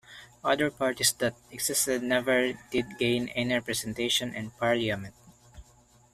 Other parties that existed never did gain any representation in parliament.